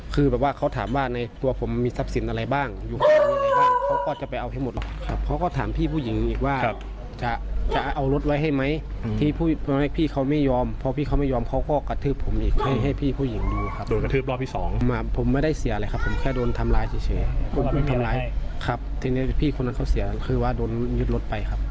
ครับทีนี้พี่คนนั้นเขาเสียคือว่าโดนยึดรถไปครับ